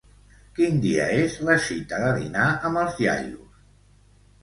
Quin dia és la cita de dinar amb els iaios?